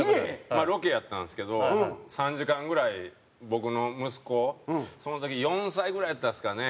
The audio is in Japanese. まあロケやったんですけど３時間ぐらい僕の息子をその時４歳ぐらいやったですかね。